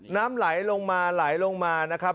น้ำไหลลงมาไหลลงมานะครับ